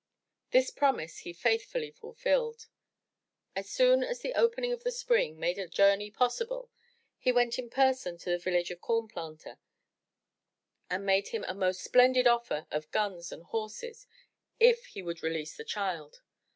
This promise he faithfully fulfilled. As soon as the opening of the Spring made such a journey possible, he went in person to the village of Corn Planter and made him a most splendid offer of guns and horses if he would release the child.